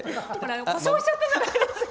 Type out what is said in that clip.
故障しちゃったじゃないですか。